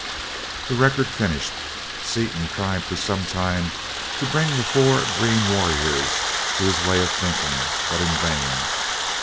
The record finished, Seaton tried for some time to bring the four green warriors to his way of thinking, but in vain.